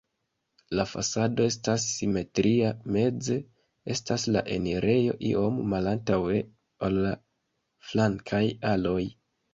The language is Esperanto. La fasado estas simetria, meze estas la enirejo iom malantaŭe, ol la flankaj aloj.